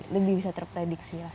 lebih bisa terprediksi lah